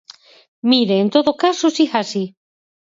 Mire, en todo caso, siga así.